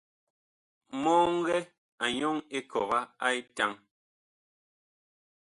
Mɔŋgɛ a nyɔŋ ekɔga a etaŋ.